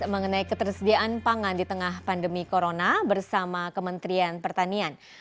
mengenai ketersediaan pangan di tengah pandemi corona bersama kementerian pertanian